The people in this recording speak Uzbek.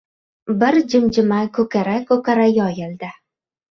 Bir jimjima ko‘kara-ko‘kara yoyildi.